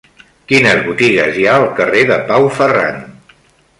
Quines botigues hi ha al carrer de Pau Ferran?